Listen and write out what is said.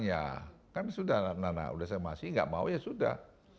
ya kan sudah nana sudah saya masih nggak mau ya sudah